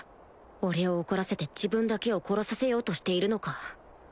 俺を怒らせて自分だけを殺させようとしているのか？